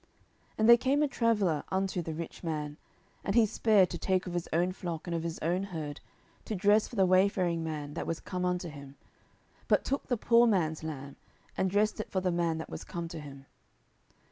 10:012:004 And there came a traveller unto the rich man, and he spared to take of his own flock and of his own herd, to dress for the wayfaring man that was come unto him; but took the poor man's lamb, and dressed it for the man that was come to him.